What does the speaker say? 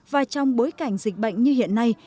và trong bối cảnh dịch bệnh như hiện nay